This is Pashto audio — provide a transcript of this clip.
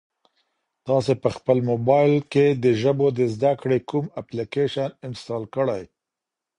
تاسي په خپل موبایل کي د ژبو د زده کړې کوم اپلیکیشن انسټال کړی؟